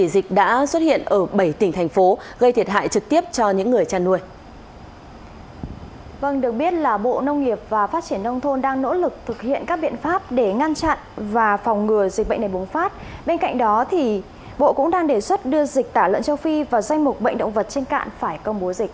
dịch đã xuất hiện ở bảy tỉnh thái bắc